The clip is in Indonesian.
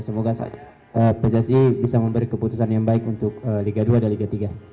semoga pssi bisa memberi keputusan yang baik untuk liga dua dan liga tiga